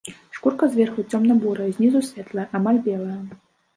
Шкурка зверху цёмна-бурая, знізу светлая, амаль белая.